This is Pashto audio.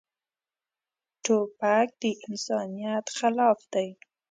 توپک د انسانیت خلاف دی.